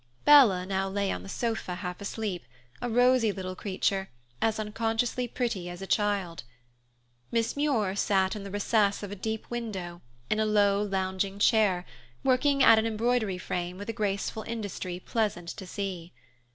Bella now lay on the sofa, half asleep, a rosy little creature, as unconsciously pretty as a child. Miss Muir sat in the recess of a deep window, in a low lounging chair, working at an embroidery frame with a graceful industry pleasant to see.